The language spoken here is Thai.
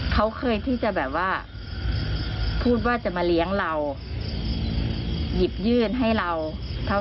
เขาเคยที่จะแบบว่าพูดว่าจะมาเลี้ยงเราหยิบยื่นให้เราเท่า